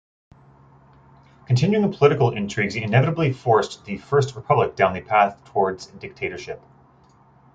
Continuing political intrigues inevitably forced the first Republic down the path towards dictatorship.